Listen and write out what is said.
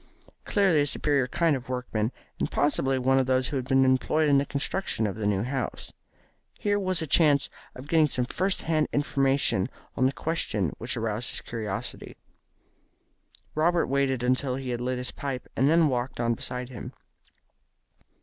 Clearly a superior kind of workman, and possibly one of those who had been employed in the construction of the new house. Here was a chance of getting some first hand information on the question which had aroused his curiosity. Robert waited until he had lit his pipe, and then walked on beside him.